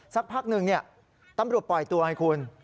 สักพักหนึ่งตำรวจปล่อยตัวไงคุณ